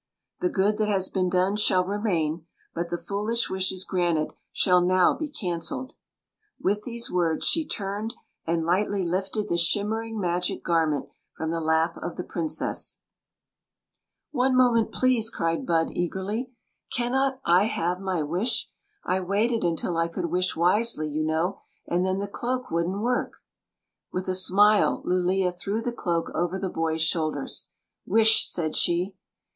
The good that has been done shall remain ; but the foolish wishes granted shall now be canceled." With these words, she turned and lightly lifted the shimmering magic garment from the lap of the princess. n :e II d ir :o r w lU )e ly The Story of the Magic Cloak 301 One moment, please !" cried Bud. eagerly. " Can not I have my wish ? I waited until I could wish wisely, you know ; and then the cloak would n't work." With a smile, Lulea threw the cloak over the boys shoulders. "Wishr said she.